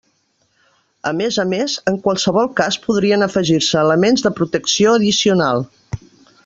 A més a més, en qualsevol cas podrien afegir-se elements de protecció addicional.